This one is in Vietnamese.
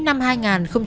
ngày buổi sáng